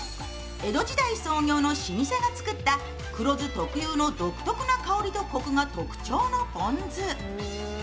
江戸時代創業の老舗が作った黒酢特有の独特な香りとこくが特徴のぽん酢。